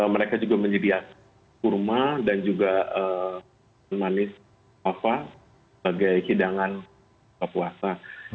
mereka juga menjadi kurma dan juga manis apa sebagai hidangan kepuasa